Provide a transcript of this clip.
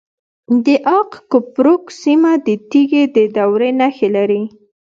د اق کپروک سیمه د تیږې د دورې نښې لري